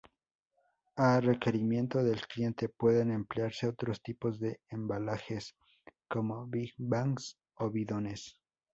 A requerimiento del cliente pueden emplearse otros tipos de embalajes, como "big-bags" o bidones.